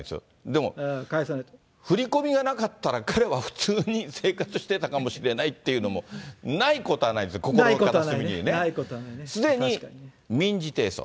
でも、振り込みがなかったら、彼は普通に生活してたかもしれないっていうのも、ないことはないんですよ、すでに民事提訴。